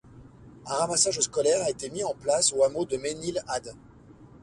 Un ramassage scolaire a été mis en place au hameau du Mesnil Adde.